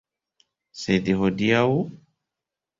Sed hodiaŭ?